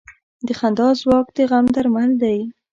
د خندا ځواک د غم درمل دی.